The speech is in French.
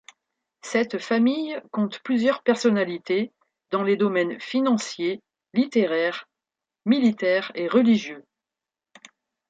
Cette famille compte plusieurs personnalités dans les domaines financier, littéraire, militaire et religieux.